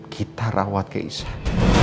kita rawat keisah